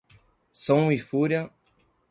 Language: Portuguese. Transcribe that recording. Som e fúria